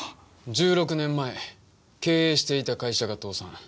１６年前経営していた会社が倒産。